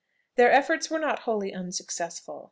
Their efforts were not wholly unsuccessful.